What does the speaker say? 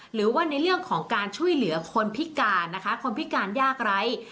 หรือว่าในเรื่องของการช่วยเหลือคนพิการนะคะคนพิการยากไร้